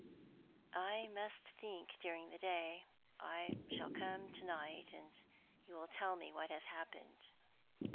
"I must think during the day. I shall come to night, and you will tell me what has happened."